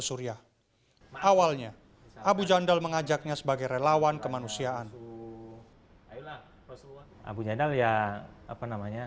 surya awalnya abu jandal mengajaknya sebagai relawan kemanusiaan abu jandal ya apa namanya